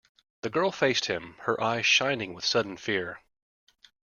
The girl faced him, her eyes shining with sudden fear.